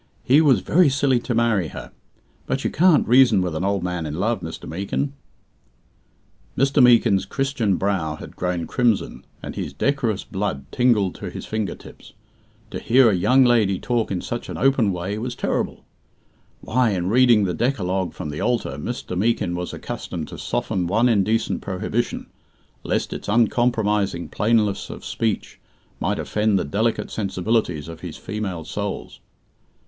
He was very silly to marry her; but you can't reason with an old man in love, Mr. Meekin." Mr. Meekin's Christian brow had grown crimson, and his decorous blood tingled to his finger tips. To hear a young lady talk in such an open way was terrible. Why, in reading the Decalogue from the altar, Mr. Meekin was accustomed to soften one indecent prohibition, lest its uncompromising plainness of speech might offend the delicate sensibilities of his female souls!